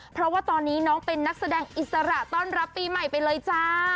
เพราะว่าตอนนี้น้องเป็นนักแสดงอิสระต้อนรับปีใหม่ไปเลยจ้า